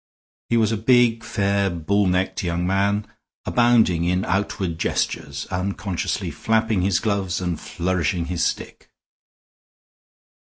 He was a big, fair, bull necked young man, abounding in outward gestures, unconsciously flapping his gloves and flourishing his stick.